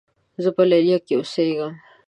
زۀ په لیلیه کې اوسېږم.